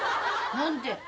何で？